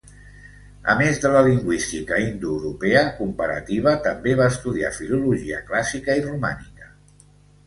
A més de la lingüística indoeuropea comparativa, també va estudiar filologia clàssica i romànica.